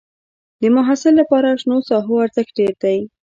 د محصل لپاره شنو ساحو ارزښت ډېر دی.